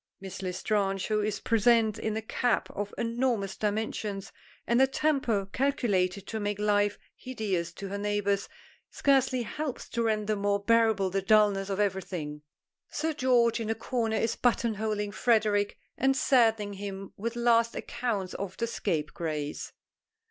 Miss L'Estrange, who is present in a cap of enormous dimensions and a temper calculated to make life hideous to her neighbors, scarcely helps to render more bearable the dullness of everything. Sir George in a corner is buttonholing Frederic and saddening him with last accounts of the Scapegrace.